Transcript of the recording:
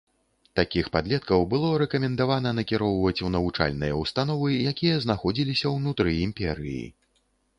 Такіх падлеткаў было рэкамендавана накіроўваць у навучальныя ўстановы, якія знаходзіліся ўнутры імперыі.